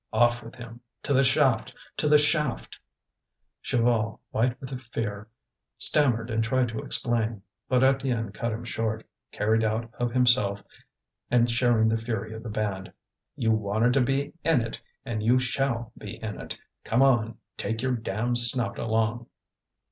"Off with him! To the shaft! to the shaft!" Chaval, white with fear, stammered and tried to explain. But Étienne cut him short, carried out of himself and sharing the fury of the band. "You wanted to be in it, and you shall be in it. Come on! take your damned snout along!"